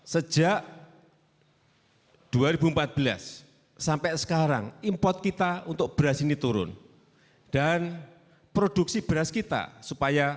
sejak dua ribu empat belas sampai sekarang import kita untuk beras ini turun dan produksi beras kita supaya